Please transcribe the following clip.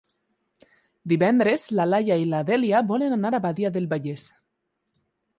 Divendres na Laia i na Dèlia volen anar a Badia del Vallès.